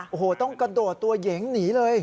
โอ้โหต้องกระโดดตัวเหยิงหนีเลย